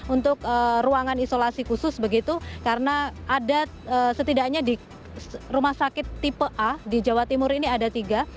untuk ruangan isolasi khusus begitu karena ada setidaknya di rumah sakit tipe a di jawa timur ini ada tiga